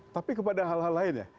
tapi kepada hal hal lain ya